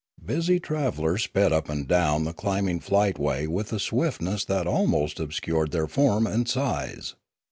Busy travel lers sped up and down the climbing flightway with a swiftness that almost obscured their form and size.